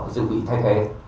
dự bị thay thế